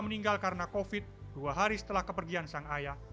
mengingatkan ibunya meninggal karena covid sembilan belas dua hari setelah kepergian sang ayah